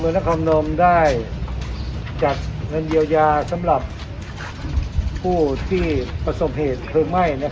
มือนักความนมได้จากเงินเยียวยาสำหรับผู้ที่ประสบเหตุเพลิงไหม้นะครับ